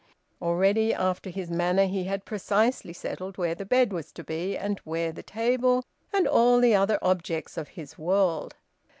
Already, after his manner, he had precisely settled where the bed was to be, and where the table, and all the other objects of his world.